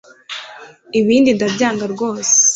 ibi ndabyanga rwose